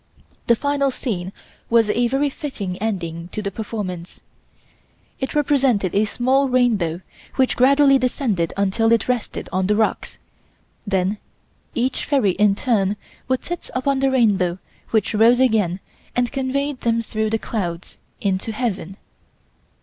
The final scene was a very fitting ending to the performance. It represented a small rainbow which gradually descended until it rested on the rocks; then each fairy in turn would sit upon the rainbow which rose again and conveyed them through the clouds into Heaven.